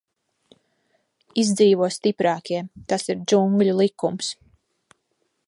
Izdzīvo stiprākie, tas ir džungļu likums.